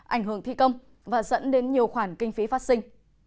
ảnh hưởng thi công và dẫn đến nhiều khoản kinh phí phát sinh